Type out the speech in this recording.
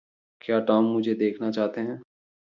क्या टॉम मुझें देखना चाहते हैं?